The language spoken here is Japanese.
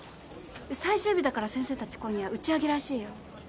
最終日だから先生たち今夜打ち上げらしいよ。